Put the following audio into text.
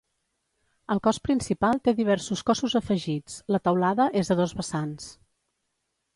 El cos principal té diversos cossos afegits, la teulada és a dos vessants.